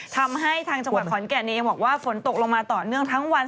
ทางจังหวัดขอนแก่นยังบอกว่าฝนตกลงมาต่อเนื่องทั้งวัน